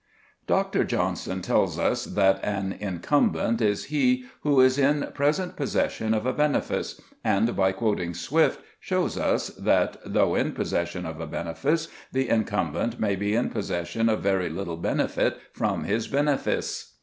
Dr. Johnson tells us that an incumbent is he who is in present possession of a benefice, and by quoting Swift shows us that, though in possession of a benefice, the incumbent may be in possession of very little benefit from his benefice.